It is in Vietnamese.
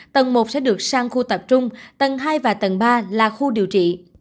tầng một sẽ được sang khu tập trung tầng hai và tầng ba là khu điều trị